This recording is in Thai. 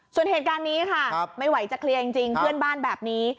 ส่วนเหตุการณ์นี้ค่ะไม่ไหวจะเคลียร์จริงเพื่อนบ้านแบบนี้